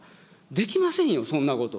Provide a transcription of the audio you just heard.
できませんよ、そんなこと。